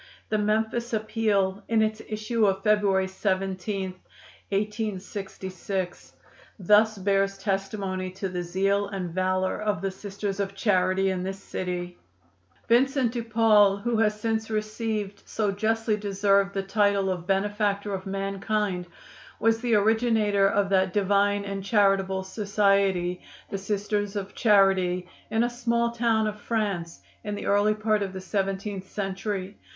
The Memphis Appeal, in its issue of February 17, 1866, thus bears testimony to the zeal and value of the Sisters of Charity in this city: "Vincent de Paul, who has since received, so justly deserved, the title of 'Benefactor of Mankind,' was the originator of that divine and charitable society, 'The Sisters of Charity,' in a small town of France, in the early part of the seventeenth century.